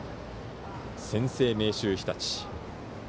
先制、明秀日立。